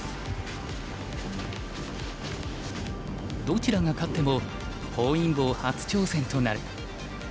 どちらが勝っても本因坊初挑戦となる。